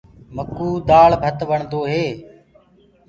مڪوُ دآݪ ڀت وڻدو هي۔